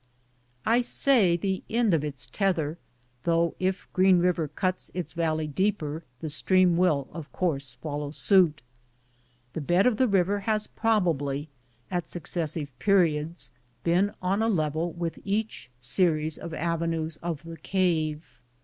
I say the end of its tether, though if Green River cuts its valley deeper, the stream will of course follow suit. The bed of the river has probably, at successive periods, been on a level with each series of avenues of the cave.